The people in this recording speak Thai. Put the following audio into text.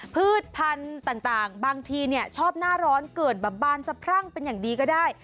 พืชพันธุ์ต่างบางทีชอบหน้าร้อนเกิดแบบบานสะพรั่งเป็นอย่างดีก็ได้